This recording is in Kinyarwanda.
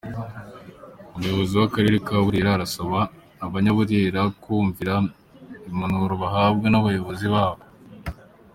Umuyobozi w’akarere ka Burera arasaba Abanyaburera kumvira impanuro bahabwa n’abayobozi babo.